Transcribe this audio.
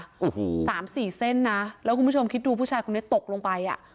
โอ้โหสามสี่เส้นนะแล้วคุณผู้ชมคิดดูผู้ชายคนนี้ตกลงไปอ่ะ